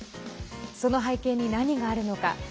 その背景に何があるのか。